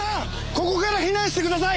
ここから避難してください！